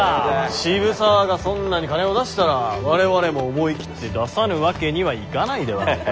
渋沢がそんなに金を出したら我々も思い切って出さぬわけにはいかないではないか。